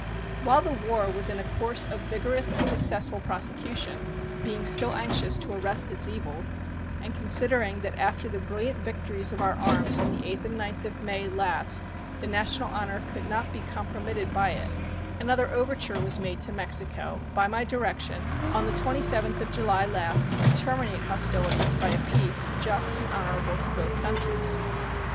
While the war was in a course of vigorous and successful prosecution, being still anxious to arrest its evils, and considering that after the brilliant victories of our arms on the 8th and 9th of May last the national honor could not be compromitted by it, another overture was made to Mexico, by my direction, on the 27th of July last to terminate hostilities by a peace just and honorable to both countries.